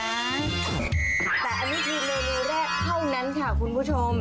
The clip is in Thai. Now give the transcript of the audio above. แต่อันนี้คือเมนูแรกเท่านั้นค่ะคุณผู้ชม